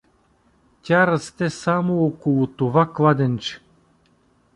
Тя расте само около това кладенче.